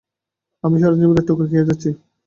আমি সারা জীবন ধরে ঠোকর খেয়ে যাচ্ছি।